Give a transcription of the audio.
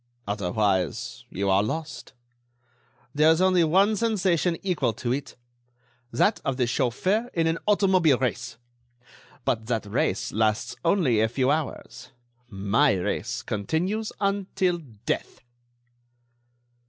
Otherwise, you are lost. There is only one sensation equal to it: that of the chauffeur in an automobile race. But that race lasts only a few hours; my race continues until death!"